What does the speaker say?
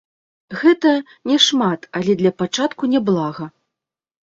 Гэта няшмат, але для пачатку няблага.